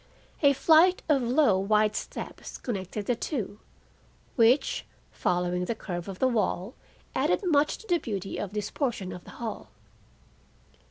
A flight of low, wide steps connected the two, which, following the curve of the wall, added much to the beauty of this portion of the hall.